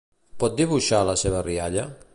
Pot dibuixar la seva rialla?